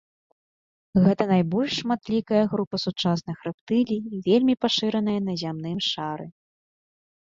Гэта найбольш шматлікая група сучасных рэптылій, вельмі пашыраная на зямным шары.